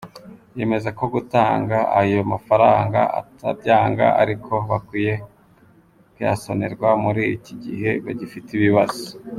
Yemeza ko gutanga ayo mafaranga atabyanga ariko bakwiye kuyasonerwa muri iki gihe bagifite ibibazo.